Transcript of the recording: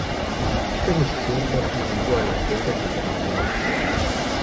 Esta decisión fue atribuido a las ventas internacionales pobres.